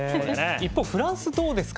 一方、フランスどうですか？